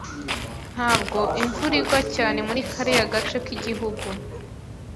Ntabwo imvura igwa cyane muri kariya gace k'igihugu.